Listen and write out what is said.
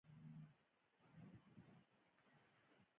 د وسلو تولید او درنو صنایعو ته ځانګړې کړې.